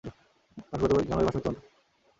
তার ফুফাতো ভাই জানুয়ারি মাসে মৃত্যুবরণ করে।